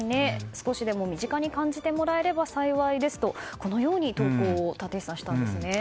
少しでも身近に感じてもらえれば幸いですと、このように投稿をしたんですよね。